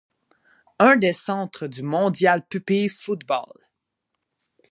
Un des centres du Mondial Pupilles Football.